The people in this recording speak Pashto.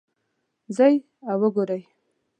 ځئ او وګورئ